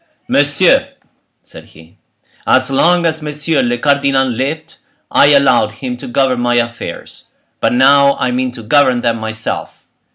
"Messieurs," said he, "as long as monsieur le cardinal lived, I allowed him to govern my affairs; but now I mean to govern them myself.